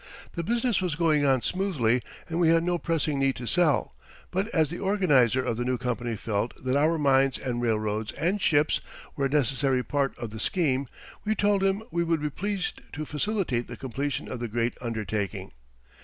The business was going on smoothly, and we had no pressing need to sell, but as the organizer of the new company felt that our mines and railroads and ships were a necessary part of the scheme, we told him we would be pleased to facilitate the completion of the great undertaking.